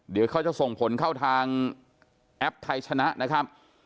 เดี๋ยวเขาจะส่งผลเข้าทางแอปไทยชนะนะครับ